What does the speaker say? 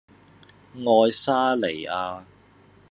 愛沙尼亞